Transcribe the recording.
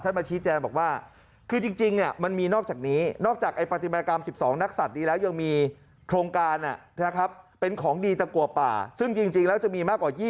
ท่านบัชชีแจงบอกว่าคือจริงนี้มันมีนอกจากนี้